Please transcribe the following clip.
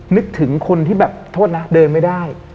นึกถึงคนที่แบบโทษนะเดินไม่ได้